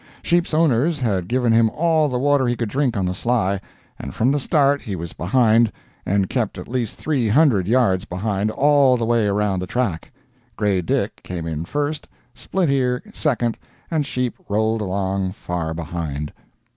"Sheep's" owners had given him all the water he could drink on the sly, and from the start he was behind and kept at least three hundred yards behind all the way round the track, "Grey Dick" came in first, "Split ear" second and "Sheep" rolled along far behind.